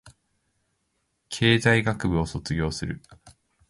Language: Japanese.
経済学部を卒業する